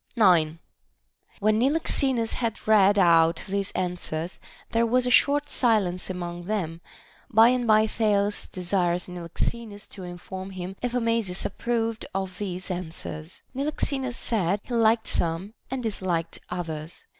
9. When Niloxenus had read out these answers, there was a short silence among them ; by and by Thales desires Niloxenus to inform him if Amasis approved of these an swers. Niloxenus said, he liked some and disliked others.